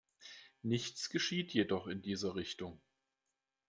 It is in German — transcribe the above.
Nichts geschieht jedoch in dieser Richtung.